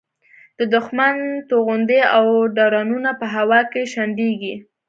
د دوښمن توغندي او ډرونونه په هوا کې شنډېږي.